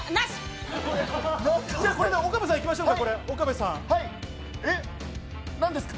岡部さん、いきましょうか。